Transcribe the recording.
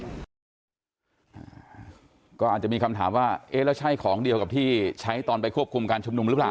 อาจจะมีคำถามว่าเอ๊ะแล้วใช่ของเดียวกับที่ใช้ตอนไปควบคุมการชุมนุมหรือเปล่า